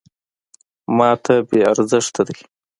.ماته بې ارزښته دی .